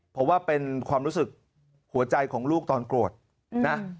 เพราะว่าเป็นความรู้สึกหัวใจของลูกตอนโกรธนะ